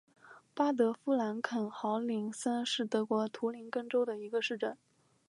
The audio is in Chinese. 巴德夫兰肯豪森是德国图林根州的一个市镇。